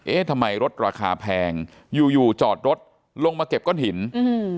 เอ๊ะทำไมรถราคาแพงอยู่อยู่จอดรถลงมาเก็บก้อนหินอืม